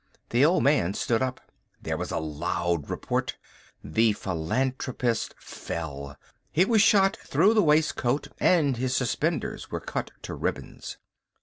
The old man stood up. There was a loud report. The philanthropist fell. He was shot through the waistcoat and his suspenders were cut to ribbons.